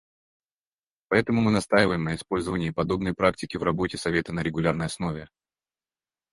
Поэтому мы настаиваем на использовании подобной практики в работе Совета на регулярной основе.